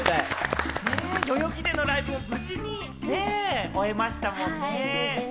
代々木でのライブも無事にね、終えましたもんね。